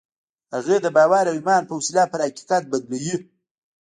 هغه د باور او ايمان په وسيله پر حقيقت بدلوي.